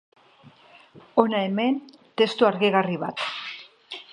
Hona hemen testu argigarri bat.